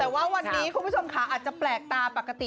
แต่ว่าวันนี้คุณผู้ชมค่ะอาจจะแปลกตาปกติ